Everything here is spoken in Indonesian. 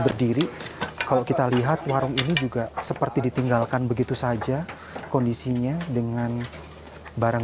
berdiri kalau kita lihat warung ini juga seperti ditinggalkan begitu saja kondisinya dengan barang